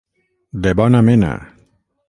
De bona mena.